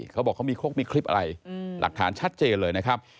เขาบอกเขามีครกมีคลิปอะไรหลักฐานชัดเจนเลยนะครับ